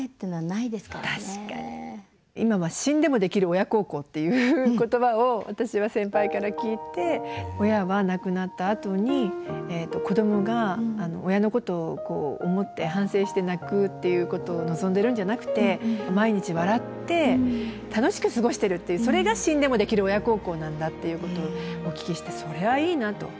今は「死んでもできる親孝行」っていう言葉を私は先輩から聞いて親は亡くなったあとに子どもが親のことを思って反省して泣くっていうことを望んでるんじゃなくて毎日笑って楽しく過ごしてるっていうそれが死んでもできる親孝行なんだっていうことをお聞きしてそれはいいなと。